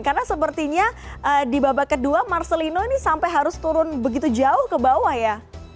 karena sepertinya di babak kedua marcelino ini sampai harus turun begitu jauh ke bawah ya